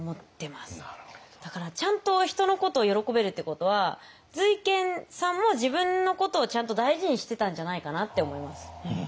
だからちゃんと人のことを喜べるってことは瑞賢さんも自分のことをちゃんと大事にしてたんじゃないかなって思います。